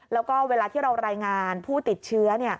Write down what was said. แล้วก็เวลาที่เรารายงานผู้ติดเชื้อ